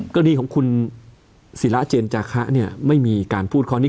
กรณีของคุณศิระเจนจาคะไม่มีการพูดข้อนี้